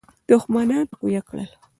دښمنان تقویه کړل.